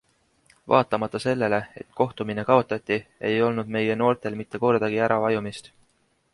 Vaatamata sellele, et kohtumine kaotati, ei olnud meie noortel mitte kordagi äravajumist.